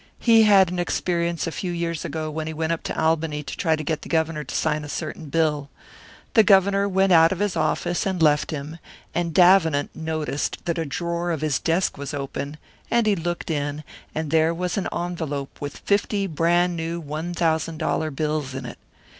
He had an experience a few years ago, when he went up to Albany to try to get the Governor to sign a certain bill. The Governor went out of his office and left him, and Davenant noticed that a drawer of his desk was open, and he looked in, and there was an envelope with fifty brand new one thousand dollar bills in it!